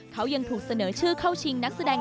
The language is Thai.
เขายังถูกเสนอชื่อเข้าชิงนักแสดง